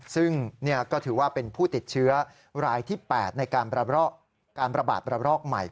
ซึ่งก็ถือว่าเป็นผู้ติดเชื้อรายที่๘ในการระบาดระรอกใหม่